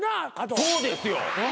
そうですよ